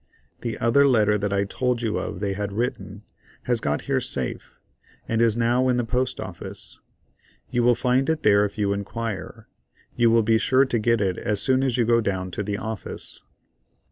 The other letter that I told you of that they had written has got here safe, and is now in the Post Office. You will find it there if you inquire; you will be sure to get it as soon as you go down to the office."